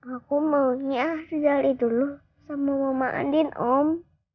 aku maunya sejali dulu sama mama andin om